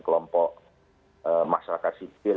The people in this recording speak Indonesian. kelompok masyarakat sipil